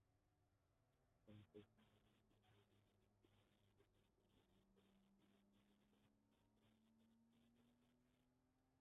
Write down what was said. তারপরও সংগঠনটি ধীরে ধীরে শক্তিশালী হতে শুরু করে এবং পরবর্তি বছরগুলোতে আক্রমণ করার মতো সক্ষমতা অর্জন করে।